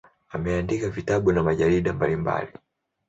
Ameandika vitabu na majarida mbalimbali.